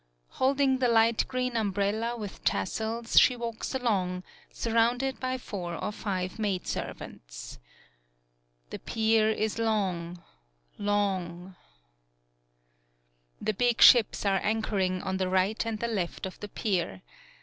Holding the light green umbrella with tassels, she walks along, surrounded by four or five maidservants. * The pier is long long 56 THE PIER The big ships are anchoring on the right and the left of the pier.